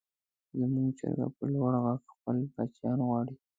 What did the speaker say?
زموږ چرګه په لوړ غږ خپل بچیان غواړي.